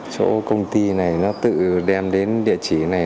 chỗ công ty này nó tự đem đến địa chỉ này